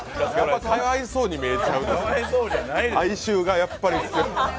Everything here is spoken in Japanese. かわいそうに見えちゃう、哀愁がやっぱりね。